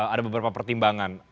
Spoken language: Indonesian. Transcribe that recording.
ada beberapa pertimbangan